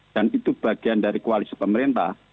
itu bagian dari koalisi pemerintah